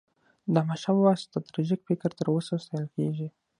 د احمدشاه بابا ستراتیژيک فکر تر اوسه ستایل کېږي.